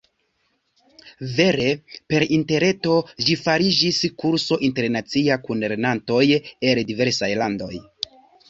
Vere, per interreto ĝi fariĝis kurso internacia kun lernantoj el diversaj landoj.